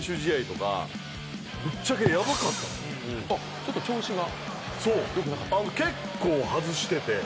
ちょっと調子が？